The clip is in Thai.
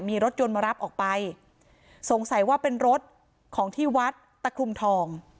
มีรถยนต์มารับออกไปสงสัยว่าเป็นรถของที่วัดตะคลุมทอง